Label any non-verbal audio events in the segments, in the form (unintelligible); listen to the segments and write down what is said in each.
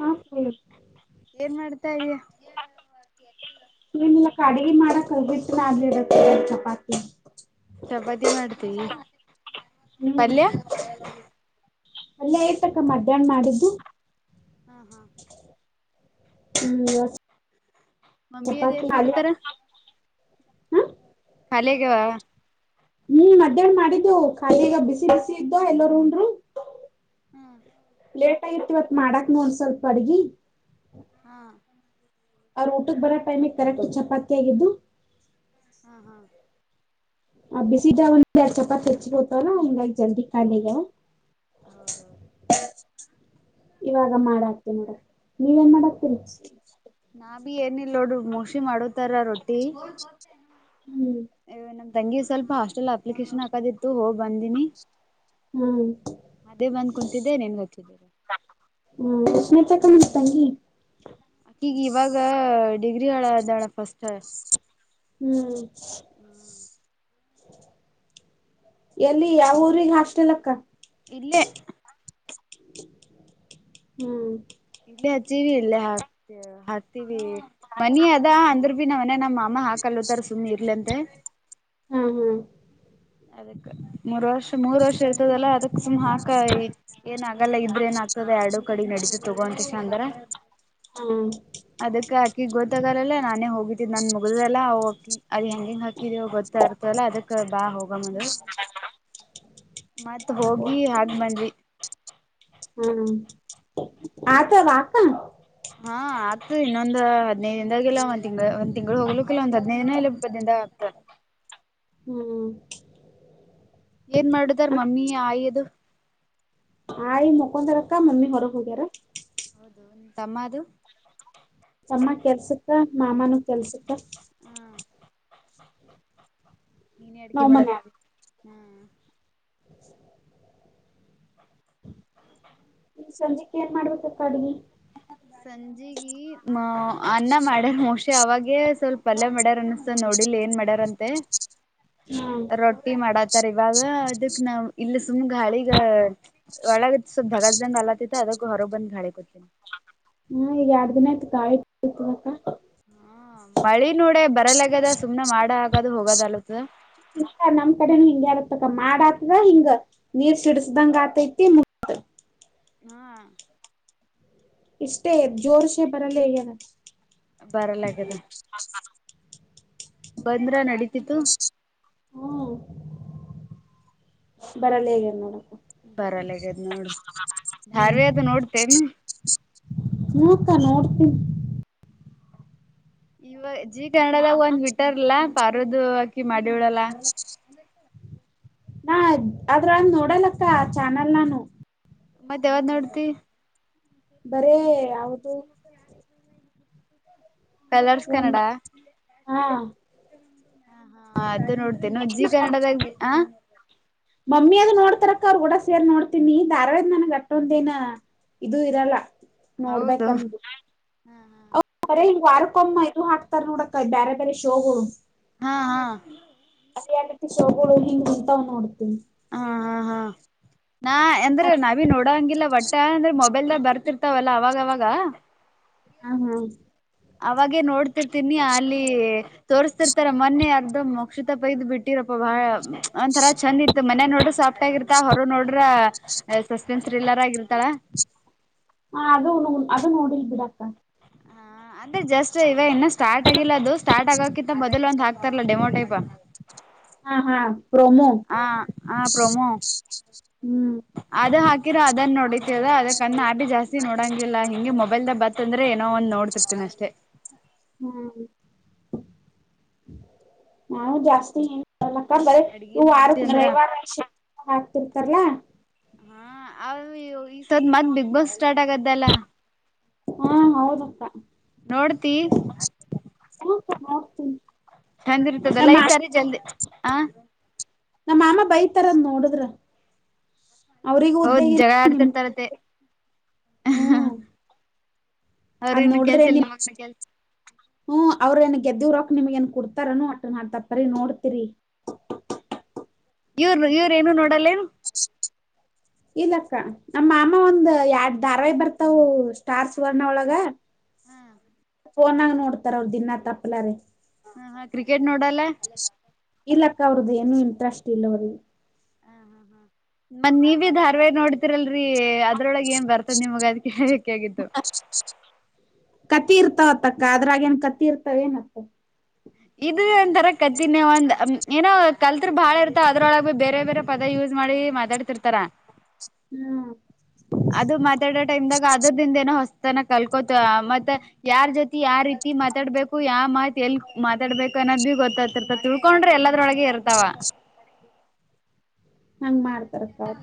ಹಾಂ ಏನ್ ಮಾಡ್ತಾ ಇದಯ. ಏನಿಲ್ಲ ಅಕ್ಕ ಅಡಿಗಿ ಮಾಡಕ ಹಿಟ್ಟ ನದ್ಲಿತಾ ಇರ ಚಪಾತಿ. ಚಪತಿ ಮಾಡ್ತೀ ಹ್ಮ್ ಪಲ್ಯ. ಪಲ್ಯ ಐತಿ ಅಕ್ಕ ಮಧ್ಯಾಹ್ನ ಮಾಡಿದ್ದು. ಹ್ಮ ಹಾ. ಹ್ಮ್ ಬಸ್. ಮಮ್ಮಿ ಅದು ಏನ್ ಮಾಡತಾರ. ಹ್ಮ. ಖಾಲಿ ಆಗೇವಾ. ಹ್ಮ ಮಧ್ಯಾನ ಮಾಡಿದ್ದು ಖಾಲಿ ಈಗ ಬಿಸಿ ಬಿಸಿ ಇದ್ದು ಎಲ್ಲರೂ ಉಂಡ್ರು. ಹ್ಮ. ಲೇಟ್ ಆಗಿತ ಇವತ್ ಮಾಡಾಕನೂ ಒಂದ ಸ್ವಲ್ಪ ಅಡ್ಗಿ. ಹಾ ಅವ್ರ ಊಟಕ್ಕ ಬರೋ ಟೈಮಿಗೆ ಕರೆಕ್ಟ್ ಚಪಾತಿಯಗಿದ್ದು. ಹಾ ಹಾ ಅ ಬಿಸಿ ದ ಒಂದ ಚಪಾತ ಹೆಚ್ಚಿಗ ಹತಲ್ಲ ಹಂಗಾಗಿ ಜಲ್ದಿ ಕಾಲಿ ಹೋಗ ಆಗ್ಯಾವ. ಹೌದೌದು ಇವಾಗ ಮಾಡಾತಿ ನೋಡ ನೀವೇನ್ ಮಾಡತಿರಿ. ನಾ ಬಿ ಏನ ಇಲ್ಲ ನೋಡ್ರಿ ಮೋಸಿ ಮಾಡತಾರ ರೊಟ್ಟಿ. ಹ್ಮ. ನಮ್ ತಂಗಿ ಸ್ವಲ್ಪ ಹಾಸ್ಟೆಲ್ ಅಪ್ಲಿಕೇಶನ್ ಹಾಕೋದಿತ್ತು ಹೋಗಿ ಬಂದಿನಿ. ಹ್ಮ್ ಅದೇ ಬಂದ ಕುಂತಿದ್ದೆ ನಿನಗ ಹಚ್ಚಿದೆ. ಮ ತಂಗಿ ಅಕೀಗ ಇವಾಗ ಡಿಗ್ರಿ ಆಳ ಅದಾಳ ಫಸ್ಟ್. ಹ್ಮ. ಹಾ ಎಲ್ಲಿ ಯಾವಊರಿಗ ಹಾಸ್ಟಲಕ್ಕ. ಇಲ್ಲೇ ಹ್ಮ. ಇಲ್ಲಿ ಹಚ್ಚಿವ ಇಲ್ಲೇ ಹಾಕ್ ಹಾಕ್ತೀವಿ ಮನಿ ಅದ ಅಂದ್ರ ಭ ನಾವನೆ ನಮ್ಮ ಮಾಮ ಹಾಕಲ್ತಾರ ಸುಮ್ಮ ಇರ್ಲಿಂತೆ. ಹಾ ಹಾ ಅದಕ ಮೂರ ವರ್ಷ ಮೂರ್ ವರ್ಷ ಇರ್ತದಲ್ಲ ಅದಕ್ ಸುಮ್ ಹಾಕ ಏನ ಆಗಲ್ಲ ಇದ್ರ ಏನ್ ಆಗ್ತದ ಎರಡು ಕಡೆ ನಡೀತು ತಗೋ ಅಂಷ ಅಂದ್ರ. ಹ್ಮ. ಗ ಗೊತ್ತಾಗಲ್ಲಲ ನಾನೇ ಹೋಗಿದ್ದಿ ನನ್ ಮುಗಿದಲ್ಲ ಅವಕಿ ಅದ ಹೆಂಗ ಹೆಂಗ ಹಾಕಿದ್ಯವ ಗೊತ್ತ ಇರ್ತಲ್ಲ ಅದಕ್ಕ ಬಾ ಹೋಗಮ್ಮ ಅಂದ್ಲು. ಮತ್ತ ಹೋಗಿ ಹಾಕಿ ಬಂದವಿ. ಹ್ಮ ಆತ ವಾಕ ಹಾ ಆಗ್ತದ ಇನ್ನೊಂದ ಹದಿನೈದ ದಿಂದಾಗೆಲ್ಲ ಒಂದ ತಿಂಗ್ಳ ಒಂದ್ಂಗ್ಗಳು ಹೋಗ್ಲುಕ್ಕಕ್ಕೆಲ್ಲ ಒಂದ ಹದ್ದನೈದ ದಿನ ಇಲ್ಲ ಇಪ್ಪತ್ತಿಂದಾಗ ಆಗ್ತದೆ. (inaudible) ಹ್ಮ. ಏನ್ ಮಾಡದಾರ ಮಮ್ಮಿ ಆಯದು. ಆಯಿ ಮಕ್ಕೊಂದಾರ ಅಕ್ಕ ಮಮ್ಮಿ ಹೊರಗ ಹೋಗ್ಯರ. ಹೌದು ತಮ್ಮ ಅದು ತಮ್ಮ ಕೆಲ್ಸಕ್ಕ ಮಾಮನೂ ಕೆಲ್ಸಕ್ಕ ಹಾ ನೀನೇ ಅಡಗೆೆ ನಾವ್ ಮನ್ಯಾಗ ಮಾಡತ್ತರಿ ಹಾ. ಸಂಜ್ಯೆಕ್ಕೆ ಏನ್ ಮಾಡ್ಬೇಕಪ್ಪ ಅಡಿ. ಸಂಜೆಗ ಅನ್ನ ಮಾಡ್ಯಾರ ಮೋಸ್. ಅವಾಗೇ ಸ್ವಲ್ಪ ಪಲ್ಲಯ ಮಾಡ್ಯಾರ್ ಅನ್ನಸ್ತ ನೋಡಿಲ್ ಏನ್ ಮಾಡ್ಯಾರಂತೆ ಹ್ಮ್ ರೊಟ್ಟಿ ಮಾಡತರ್ ಇವಾಗ ಅದಕ್ ನಾವ್ ಇಲ್ಲಿ ಸುಮ್ಗೆ ಹಳಿಗ ಒಳಗ ಸ್ವಲ್ಪ್ ಧಗಜ್ದಂಗ ಅಲತ್ತತೆ ಅದ ಹೊರ ಬಂದ ಗಾಳಿ ಕೊತ ಹಾ ಈಗ ಎರ್ಡ್ ದಿನ ಆಯ್ತು ಕಾಯಿತವಕ್ಕ ಹಾ ಮಳಿ ನೋಡ ಬರಲಗ್ಯದ ಸುಮ್ನೆ ಮಾಡ ಆಗದು ಹೋಗದಲತ್ದ ಕಡೆ ಹಿಂಗ್ಯಾತಕ ಮಾಡಾತದ ಹಿಂಗ ನೀರ್ ಸಿಡಸ್ದಂಗ ಆತೈತಿ ಮು ಹಾ ಇಷ್ಟೇ ಜೋರ್ಷೆ ಬರಲ್ಲಗನ ಬರಲಾಗ್ಯದ ಬಂದ್ರ ನಡೀತಿತ್ತುು ಹ್ಮ ಬರಲ್ಲ ಹೇಗಿ ಮೋಡಮ್ ಬರಲ್ಲಗದ್ ನೋಡು ಹ್ಮ್ ಧಾರ್ವ ಅದು ನೋಡ್ತೆೇನು ನೋಡ್ತೀ ಇವ ಜಿ ಕನ್ನಡದಾಗ ಒಂದ್ ಬಿಟ್ಟರ್ಲ್ಲ ಪಾರದು ಹಾಕಿ ಮಾಡಿ ದವಳಲ್ಲ ನಾ ಅದ್ರ ನೋಡಲಕ್ಕ ಆ ಚಾನೆಲ್ ನಾನು ಮತ್ತ ಯಾವ್ದ್ ನೋಡ್ತಿ ಬರೇ ಯವುದು ಪಲ್ಲರ್ಸ್ ಒಂದ್ ಕನಡಾ ಹಾ ನೋಡ್ತೇ ನಜ್ಜಿ ಕನ್ನಡದಾಗ ಹ ಮಮ್ಮಿ ಅದ ನೋಡ್ತಾರಕ್ಕ ಅವ್ರರು ಕೂಡ ಸೇರ್ ನೋಡ್ತೀನಿ ಧಾರಾಳಿಂದ ನನ್ ಅಟ್ಟೊಂದೇನ ಇದು ಇರಲ್ಲ ಹೌದು ನೋಡ್ಬೇಕಂದ ಹಾ ಇ ವಾರಕೊಮ್ಮ ಹಾಕ್ತಾರೆ ನೋಡಕ ಬೇರೆ ಬೇರೆ ಶೋಗಳು ಹಾ ಹಾ ರಿಯಾಲಿಟಿ ಶೋಗಳು ಹಿಂಗ್ ಅಂತ್ ನೋಡ್ತೀಿ ಹ ನಾ ಹಾ ಎಂದ್ರೆ ನಾವಿ ನೋಡಂಗಿಲ್ಲ ಒಟ್ಟ ಮಏಂದ್ರೆ ಮೊಬೈಲ್ದಾಗ ಬರ್ತಿರ್ತಾವಲ್ಲ ಅವಾಗವಾಗ ಹ್ಮ ಹ್ಮ ಅವಾಗೇ ನೋಡ್ತಿರ್ತೀನಿ ಅಲ್ಲಿ ತೋರ್ಸ್ತಿರ್ತಾರ ಮೊನ್ನೆ ಅರ್ಧ ಮಕ್ಷುತಪೈದು್ ಬಿಟ್ಟಿರಪ್ಪ ಪ್ರಭಾರ ಒಂಥರಾ ಚಂದ್ ಇತ್ತು ಮನೆ ನೋಡ್ರ ಸಾಫ್ಟ್ ಆಗಿರ್ತ ಹೊರ ನೋಡ್ರ ಸಸ್ಪೆನ್ಸ್ ಥ್ರಿಲ್ಲರ್ ಆಗಿರ್ತಾಳ ಹಾ ಅದು ಅದು ನೋಡಿಲ್ ಬಿಡಕ್ಕ ಹ ಅದೆ ಜಸ್ಟ್ ಇವ ಇನ್ನನ್ನು ಸ್ಟಾರ್ಟ್ ಆಗಿಲ್ಲ ಅದು ಸ್ಟಾರ್ಟ್ ಆಗಕ್ಕಿಂತ ಮೊದಲ್ ಒಂದ್ಾಕ ಹತರ್ಲ್ಲ ಡೆಮೋಟೈಪಾ ಹಾ ಹಾ ಹ ಹ ಪ್ರೊಮೋ ಹ್ಮ್ ಅದು ಹಾಕ ಹಕಿರ ಅದನ್ನ ನೋಡಿತತದ ಅದಕ್ಕ ಅನ್ನ ಆಪಿ ಜಾಸ್ತಿ ನೋಡಂಗಿಲ್ಲ ಹಿಂಗೆ ಮೊಬೈಲ್ ದ ಬತ್ತಂದ್ರೆ ನ ಒಂದ್ ನೋಡ್ತಿರ್ತೇನ ಅಷ್ಟೆ ನಾನು ಜಾಸ್ತಿ ಕ್ಕ ಬರ ಅಡ್ಗಿ ಇವು ಮಾಡತಿ ಅಂದ್ರ ವಾರೈವಾರ ಹಾಕ್ತಿರ್ತಾರಲ್ಲಾ ಹಾ ಈ ಸದ ಮತ್ ಬಿಗ್ ಬಾಸ್ ಸ್ಟಾರ್ಟ್ ಆಗ್ದಲ್ಲ ಹಾ ಹೌದಕ್ಕ ನೋಡ್ತಿ ಹತ ಚಂದ್ರ್ತದಲ್ಲ ಈ ಸಾರಿ ಜಲ್ದಿ ಹ ತರ ನೋಡುದ್ರ. ಹೌದ್ ಜಗಳ ಆಡ್ತಿರ್ತಾರತ್ತೆ. ಹ್ಮ್ ಅವ್ರ ಅದ್ ಇನ್ನು ಕೆಲ್ಸ ನೋಡಿದ್ರೆ ಇಲ್ ನಿಮ್ ನಿಮಗ್ನ ಕೆಲ್ಸ ಹ್ಮ ಅವ್ರನೆ ಗೆದ್ದವರಾಕ್ ನಿಮ್ಗೆನ್ ಕುಡ್ತಾರೆನು (unintelligible) ನೋಡ್ತಿರಿ ಇವ್ರು ಇವ್ರು ಏನು ನೋಡಲ್ಲೇನು. ಇಲ್ಲಕ್ಕ ನಮ್ಮ ಮಾಮ ಒಂದ್ ಎಡ್ ಧಾರಾವಯ್ ಬರ್ತವು ಸ್ಟಾರ್ ಸುವರ್ಣ ಒಳಗ. ಫೋನಗ್ ನೋಡ್ತಾರ ಅವ್ರ ದಿನಾ ತಪ್ಪಲ್ಲರಿ. ಹಾ ಕ್ರಿಕೆಟ್ ನೋಡಲ್ಲ. ಇಲ್ಲಕ್ಕ ಅವ್ರಗೆನು ಏನು ಇಂಟ್ರೆಸ್ಟ್ ಅವ್ರಿಗ್ (inaudible) ಮನ್ ನೀವೇ ಧಾರವಾಯ್ ನೋಡ್ತಿರಲ್ರಿ ಅದ್ರೊಳಗೆ ಏನ್ ಬರ್ತದ ನಿಮಗ ಅದ್ ಕೇಳ್ಬೇಕು. ಹೇಗಿತು ಕತ್ತಿ ಇರ್ತಾವತ್ತಕ್ಕ ಅದ್ರಾಗ್ ಏನ್ ಕತ್ತಿ ಇರ್ತವ ಏನ್. ಇದು ಒಂಥರ ಕತಿನೆ ಒಂದ ಏನೋ ಕಲ್ತ್ರ್ ಬಾಳ ಇರ್ತಾವ ಅದ್ರೊಳಗೆ ಬೇರೆ ಬೇರೆ ಪದ ಯುಸ್ - ಮಾಡಿ ಮಾತಾಡ್ತಿರ್ತಾರ. ಹ್ಮ್ ಅದು ಮಾತಾಡೋ ಟೈಮ್ದಾಗ ಆದ್ರುದಿಂದ ಏನೋ ಹೊಸ್ - - ತನ ಕಲ್ಕೋತ ಮತ್ತ ಯಾರ್ ಜೊತಿ ಯಾವ ರೀತಿ ಮಾತಾಡ್ಬೇಕು ಯ ಮಾತ್ ಎಲ್ ಮಾತಾಡ್ಬೇಕು ಅನ್ನೋದ್ ಭಿ ಗೊತ್ತಾಗತಿರ್ತ ತಿಳ್ಕೊಂಡ್ರಿ ಎಲ್ಲದ್ರೊಳಗ ಇರ್ತಾವ. ಹಂಗ್ ಮಾಡ್ತಾರಕ್ಕ ಅವ್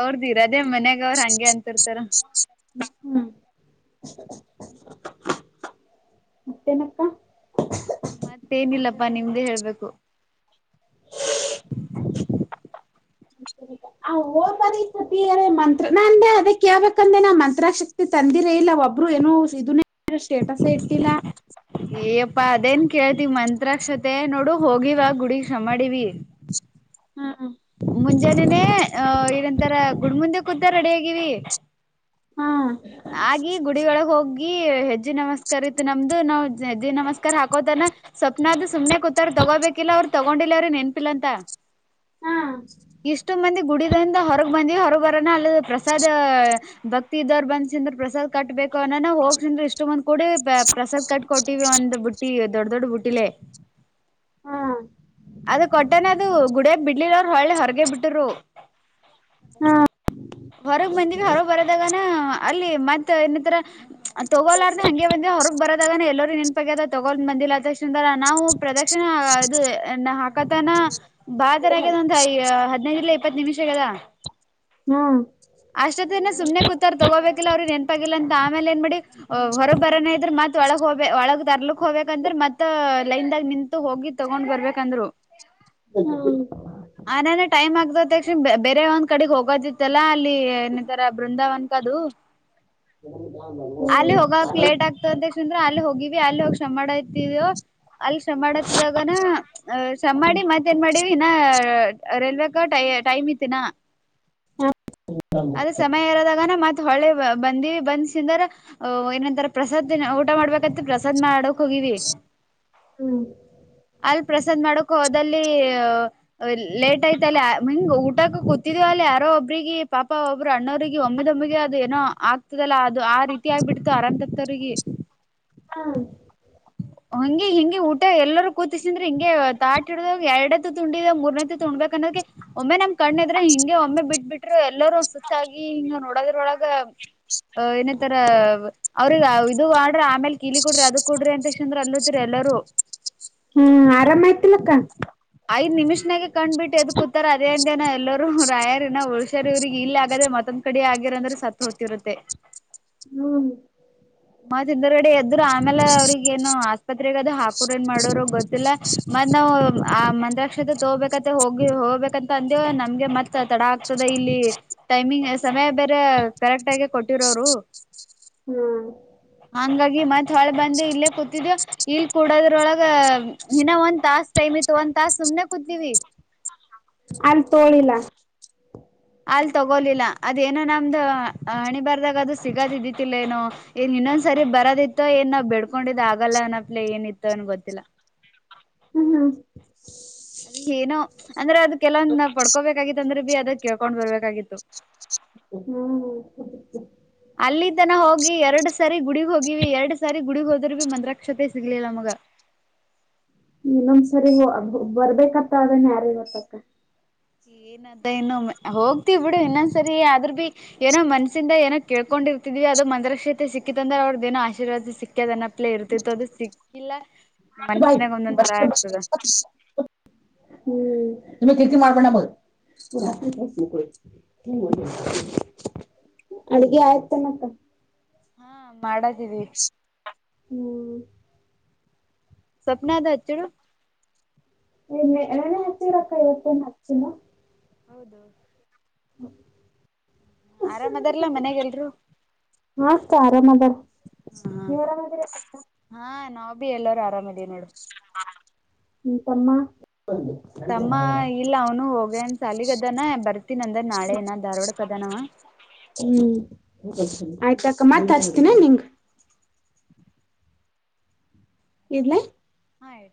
ಅವ್ರ್ದ ಇರೋದೇ ಮನ್ಯಾಗ ಅವ್ರ ಹಂಗೆ ಅಂತಿರ್ತಾರ. ಮತ್ತೆ ನಕ್ಕಾ ಮತ್ತೇನಿಲ್ಲಪ್ಪಾ ನಿಮ್ದೇ ಹೇಳ್ಬೇಕು. (inaudible) (unintelligible) ನಂದೆ ಅದೇ ಕೇಳ್ಬೇಕಂದ್ರೆ ನಾ ಮಂತ್ರಕ್ಶತೆ ತಂ (unintelligible) ಇದಿರ ಇಲ್ಲ ಒಬ್ರು ಏನು ಇದನ್ನೇ ಸ್ಟೇಟಸ ಇಟ್ಟಿಲ್ಲ. ಅಪ್ಪಾ ಅದೇನ್ ಕೇಳ್ತಿ ಮಂತ್ರಾಕ್ಷತೆ ನೋಡು ಹೋಗಿವ ಗುಡಗ್ ಶ್ರಮಾಡಿವಿ. ಹ್ಮ ಹ್ಮ ಮುಂಜಾನೆನೆೇ ಅ ಎನಂತರ ಗುಡ್ ಮುುಂದೆ ಕೂತ ರೆಡಿ ಆಗಿವಿ. ಹಾ ಹಾಗಿ ಗುಡಿ ಒಳಗ್ ಹೋ ಗಿ ಹೆಜ್ಜಿ ನಮಸ್ಕಾರ ಇತ್ ನಮ್ದು ನಾವ್ ಹೆಜ್ಜಿ ನಮಸ್ಕಾರ ಹಾಕೋತನ. ಸ್ವಪ್ನ ಅತು ಸುಮ್ಮನೆ ಕೂತಾರ್ ತಗೋಬೇಕಿಲ್ಲ ಅವ್ರು ತಗೊಂಡಿಲ್ಲ ರಿ ನೆನಪಿಲ್ಲ ಅಂತ. ಹಾ ಇಷ್ಟು ಮಂದಿ. ಗುಡಿದಿಂದ ಹೊರಗ್ ಬಂದಿವ್ ಹೊರಗ್ ಬರೋನ ಅಲ್ ಪ್ರಸಾದ್ ಭಕ್ತಿ ಇದ್ದವ್ರು ಬಂದ್ಸಿಂದ್ ಪ್ರಸಾದ್ ಕಟ್ಬೇಕ್ ಕನನ ಹೋಗ್ಸಂದ್ ಇಷ್ಟ್ಂದ ಕೂಡೆ ಪ್ರಸಾದ್ ಕಟ್ ಕೊಟ್ಟಿವಿ ಒಂದ್ ಬುಟ್ಟಿ ದೊಡ್ ದೊಡ್ ಬುಟ್ಟಿ. ಹಾ ಅದು ಕೊಟ್ಟನ್ ಅದು ಗುಡಿಯಾಗ್ ಬಿಡ್ಲಿ ಒಳ್ಳೆ ಹೊರಗೆ ಬಿಟ್ಟರು (inaudible) ಹೊರಗ್ ಬಂದ್ವಿ ಹೊರ ಬರದಾಗ. ಅಲ್ಲಿ ಮತ್ ಇನ್ನ ದ್ರ ತಗೋಲಾರ್ದ ಹಂಗೆ ಬಂದ್ ಹೊರಗ್ ಬರೋದಾಗನ ಎಲ್ಲರೂ ಬಗ್ಗೆ ತಗೊಂಡ್ ಬಂದಿಲ್ಲ (unintelligible) ಅ ನಾವು ಪ್ರದಕ್ಷಿಣೆ ಅದು ಹಾಕತನ ಬಾದರೆ (unintelligible) ಈ ಹದ್ನೈದಿಲ್ಲ ಇಪ್ಪತ್ತು ನಿಮಿಷಗದ. ಹ್ಮ್ ಅಷ್ಟೊತ್ತಿಂದ ಸುಮ್ನೆ ಕೂತಾರ ತಗೋಬೇಕಿಲ್ಲ ಅವ್ರಿಗೆ ನೆನಪಾಗಿಲ್ಲ ಅಂ ಆಮೇಲೆ ಏನ್ ಮಾಡಿ ಹೊರಗ್ ಬರೋನ ಇದ್ರ ಮತ್ ಒಳಗ್ ಹೋಗ ಒಳಗ್ ತರ್ಲಕ್ ಹೋಗಬೇಕಂದ್ರೆ ಮತ್ತ ಲೈನ್ ದಾಗ್ ನಿಂತು ಹೋಗಿ ತಗೊಂಡ್ ಬರ್ಬೇಕಂದ್ರು. ಹ್ಮ ಆಂದ್ರ ಟೈಮ್ ಆಗತ ತಕ್ಷಣ ಬೇರೆ ಒಂದ್ ಕಡೆಗ್ ಹೋಗೋದಿತ್ತಲ್ಲಾ ಅಲ್ಲಿ ಏನಂತರ ಬೃಂದಾವನ್ಕ - ದು ಅಲ್ಲಿ ಹ್ಮ್ ಹೋಗಕ್ ಲೇಟ್ ಆಗ್ತದೆ. ತಿಂದ್ರ ಅಲ್ಲಿ ಹೋಗಿವಿ ಅಲ್ಲಿ ಹೋಗಿ (unintelligible) ಮಾಡತಿದೊ. ಅಲ್ಲಿ ಶ್ರಮಡ್ ಮಾಡತ್ತದಾಗನ ಶ್ರಮ ಮಾಡಿ ಮತ್ತೇನ್ ಮಾಡಿವ್ ಇನ್ನ ರೈಲ್ವೆಕ ಟ್ಟಿ ಟೈಮ್ ಇತ್ತನಾ ಆದ್ರ ಸಮಯ ಇರದಾಗ ನ ಮತ್ ಹೊಳೆ ಬಂದ ಬಂದ್ಸಿಂದಾರ್ ಏನಂತಾರ ಪ್ರಸಾದ್ ಊಟ ಮಾಡ್ಬೇಕ ಪ್ರಸಾದ್ ಮಾಡ ಹೋಗವಿ (inaudible) ಹ್ಮ್ ಅಲ್ಲಿ ಪ್ರಸಾದ್ ಮಾಡಕು ಅದಲ್ಲಿ ಲೇಟ್ ಆಯ್ತ ಅಲ್ಲಿ ಹಿಂಗ್ ಊಟ ಕೂತಿದವ ಅಲ್ಲ ಯಾರೋ ಒಬ್ರಿಗೆ ಪಾಪ ಒಬ್ಬರು ಅಣ್ಣೋರಿಗೆ ಒಮ್ಮಿದೊಬ್ ನಮಗೆ ಅದು ಏನೋ ಆಗ್ತದಲ್ಲಾ ಅದು ಆ ರೀತಿ ಆಗ್ಬಿಡ್ತು ಅರಂಂತತ್ರಿಗೆ ಹಂಗಗೆ ಹಿಂಗೆ ಊಟ ಎಲ್ಲ ಕೂತಿಸಿದ್ರೆ ಹಿಂ ತಾಟ ಹಡ ಎರಡತ್ತು ತುಂಡಿದ ಮೂರ್ನತ್ತು ತುಬೇಕ ಅನ್ನೋದ ಒಮ್ಮೆ ನಮ್ ಕಣ್ಣದ್ರೆ ಹಿಂಗೆ ಒಮ್ಮೆ ಬಿಟ್ ಬಿಟ್ರು ಎಲ್ಲರೂ ಸುತ್ತಾಗಿ ಹಿಂಗ ನೋಡೋದ್ರೊಳಗ ಅ ಏನತರ ಅವ್ರಿಗೆ ಇದು ಮಾಡ್ರ ಆಮೇಲೆ ಕಿಲಿ ಕೊಡ್ರಿ ಅದ ಕೊರರಿ ಅಂತ ತಕ್ಷಂದ್ರ ಅಲ್ಲತ್ರಿ ಎಲ್ಲರೂ ಹ್ಮ್ ಆರಾಮ ಆಯ್ತಿಲ್ಲಕ್ಕ ಕ ಕ್ಬಟ್ಟುದ್ಕೂತಾರೆ ಅದೇ ಇನ ಎಲ್ಲರೂ ರಾಯಾರನ ಉಳ್ಸ್ಯ ಇವ್ರಿಗೆ ಇಲ್ಲಿ ಆಗದೆ ಮತ್ತೊಂದ ಕಡೆ ಆಗಿರ ಅಂದ್ರೆ ಸತ್ ಹೋತಿರುತ್ತೆ ಹ ಹ್ಮ್ ಮತದ್ರಗಡೆ ಎದರು ಆಮೇಲೆ ಅವ್ರಿಗ ಏನು ಆಸ್ಪತ್ರೆಗ ಅದು ಹಾಕೋರ್ ಏನ್ ಮಾಡೋರು ಗೊತ್ತಿಲ್ಲ ಮತ್ ನಾವು ಆ ಮಂತ್ರಾಕ್ಷತೆ ತಗೋಬೇಕತ್ತ ಹೋಗಿ ಹೋಗ್ಬೇಕಂತ ಅಂದ ನಮ್ಗೆ ಮತ್ ತಡ ಆಗ್ತದೆ ಇಲ್ಲಿ ಟೈಮಿಂಗ್ ಸಮಯ ಬೇರೆ ಕರೆಕ್ಟ್ ಆಗೆ ಕೊಟ್ಟಿರೋರು ಹ್ಮ್ ಹ ಹಂಗಾಗಿ ಮತ್ ಹೊಳೆ ಬಂದು ಇಲ್ಲೇ ಕೂತಿದ್ದವು ಇಲ್ಲಿ ಕೂಡೋದ್ರೊಳಗ ಇನ್ನ ಒಂದ್ ತಾಸ್ಟ್ ಟೈಮ್ ತ ಒಂದು ತಾಸ ಸುಮನೆ ಕುೂದಲಿವಿ ಅಲ್ಲಿ ತೋಳಿಲ್ಲ ಅಲ್ ತಗೋಲಿಲ್ಲ ಅದೇನೋ ನಮ್ದು ಹಣಿ ಬರ್ದಾಗ ಅದು ಸಿಗದ್ ಇದಿತಿಲ್ಲ ಏನೋ ಏನ್ ಇನ್ನೊಂದ್ ಸರಿ ಬರೋದಿತ್ತೋ ಏನ್ ನಾವ್ ಬೆಡ್ಕೊಂಡಿದ್ ಆಗಲ್ಲ ಅನಪ್ಲೆ ಏನಿತ್ತೋ ಅನ್ ಗೊತ್ತಿಲ್ಲ ಹ್ಮ್ ಹ್ಮ್ ಅದ ಏನು ಅಂದ್ರೆ ಅದ ಕೆಲವಂದ ಪಡ್ಕೋಬೇಕಾಗಿತ್ತು ಅಂದ್ರೆ ಬಿ ಅದ ಕೇಳ್ಕೊಂಡ್ ಬರ್ಬೇಕಾಗಿತ್ತು (inaudible) ಹ್ಮ ಅಲ್ಲಿ ತನ ಹೋಗಿ ಎರಡ್ ಸಾರಿ ಗುಡಗ್ ಹೋಗಿವಿ ಎರಡ್ ಸಾರಿ ಗುಡಿಗ್ ಹೋದ್ರ ಭ ಮಂಕ್ಷತೆ ಸಿಗ್ಲಿಲ್ಲ ಮಗ (inaudible) ಇನ್ನೊಂದ್ಸರಿ ಬರ್ಬೇಕಂತ ಅದನ್ನ ಯಾರ ಹೊತ್ತಕ್ಕ ಏನಂತ ಇನ್ನು ಹೋಗ್ತೀವಿ ಬಿಡು ಇನ್ನೊಂದ್ಸರಿ ಆದ್ರ ಭಿ ಏನೋ ಮನ್ಸಿಂದ ಏನೋ ಕೇಳ್ಕೊಂಡು ಕೊಂಡ ಇರ್ದ್ವಿ ಅದು ಮಂತ್ರರಕ್ಷೇತೆ ಸಿಕ್ಕಿತ ಅಂದ್ರೆ ಅವ್ರದ್ದನೋ ಆಶೀರ್ವಾದ ಸಿಕ್ಕದ ಅನಪ್ಲೇ ಇರ್ತಿತ್ತು ಅದು ಸಿಕ್ಕಿಲ್ಲ ಭ ಮನ್ಸನ್ಯಾಗ ಬ ಒಂದೊಂದ್ ತರ ಆಗ್ತದ ಹ್ಮ್ (unintelligible) ಕೇತಿ ಮಾಡಾರ್ಪ ಮ ಅಡಗೆ ಆಯ್ತನಕ ಹಾ ಮಾಡದೀವಿ ಹ್ಮ್ ಸ್ವಪ್ನ ಅದು ಹಚ್ಚಿಡು ನಾನೇ ಹತ್ತಿರಕ್ಕ ಇವತ್ತ ಸಿನ್ನ ಹೌದು ಹ್ಮ ಆರಾಮ ಅದಾರಲ್ಲ ಮನೆಗೆಲ್ರು ನತ ಆರಾಮದಾರ ನೀರಾಮ ಹಾ ನಾವ್ ಬಿ ಎಲ್ಲರೂ ಆರಾಮ ಇದ ನೋಡು ನಿಮ ತಮ್ಮ ಹ್ಮ್ ತಮ್ಮ ಇಲ್ಲ ಅವನು ಹೋಗನ್ ಸ ಅಾಲಗದಾನ ಬರ್ತೀನ ಅಂದ ನಾಳೆನ ಧಾರ್ವಾಡ ಕದ ಣವಾ ಹ್ಮ್ ಆಯ್ತ ಅಕ್ಕ ಮತ್ ಅಸ್ತೀನ ನಿಂಗ ಇಲ್ಲ ಹಾ ಹೇಳ